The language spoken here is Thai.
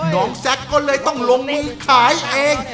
น้องแจ๊กก็เลยต้องลงมุมขายเอง